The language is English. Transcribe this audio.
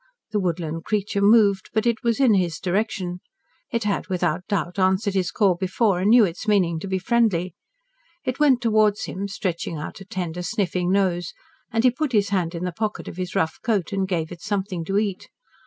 The woodland creature moved, but it was in his direction. It had without doubt answered his call before and knew its meaning to be friendly. It went towards him, stretching out a tender sniffing nose, and he put his hand in the pocket of his rough coat and gave it something to eat.